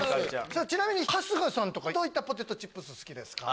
ちなみに春日さんどういったポテトチップス好きですか？